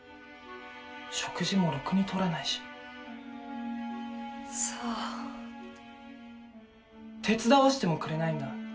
食事もろくにとらないしそう手伝わしてもくれないんだ